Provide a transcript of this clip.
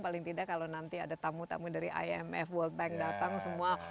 paling tidak kalau nanti ada tamu tamu dari imf world bank datang semua